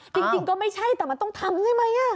จริงก็ไม่ใช่แต่มันต้องทำใช่ไหม